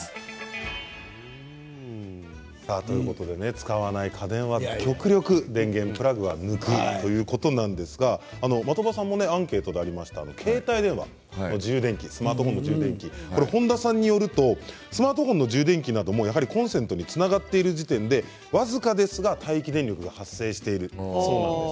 使わない家電は極力電源プラグは抜くということなんですが的場さんもアンケートでありました携帯電話の充電器スマートフォンの充電器本多さんによるとスマートフォンの充電器などもやはりコンセントにつながっている時点で僅かですが待機電力が発生しているということです。